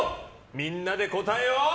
みんなで答えを。